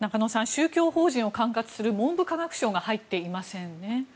宗教法人を管轄する文部科学省が入っていませんね。